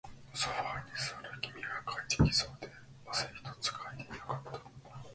ソファーに座る君は快適そうで、汗一つかいていなかった